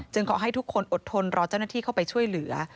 ขอให้ทุกคนอดทนรอเจ้าหน้าที่เข้าไปช่วยเหลือ